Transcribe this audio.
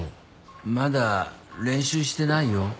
まだ練習してないよ。